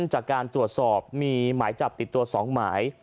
จากการตรวจสอบมีหมายจับติดตัว๒หมาย